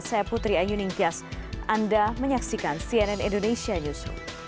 saya putri ayu ningtyas anda menyaksikan cnn indonesia newsroom